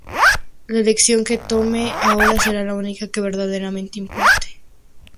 La elección que tome ahora será la única que verdaderamente importe.